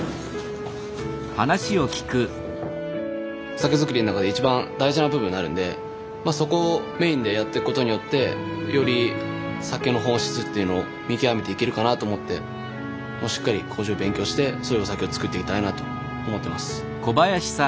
酒造りの中で一番大事な部分になるんでまあそこをメインでやってくことによってより酒の本質っていうのを見極めていけるかなと思ってもっとしっかり麹を勉強してそういうお酒を造っていきたいなと思ってます。